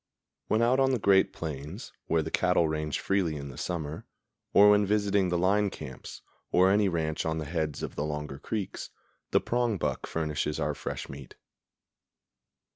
When out on the great plains, where the cattle range freely in the summer, or when visiting the line camps, or any ranch on the heads of the longer creeks, the prongbuck furnishes our fresh meat.